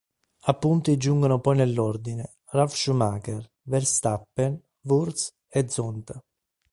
A punti giungono poi nell'ordine Ralf Schumacher, Verstappen, Wurz e Zonta.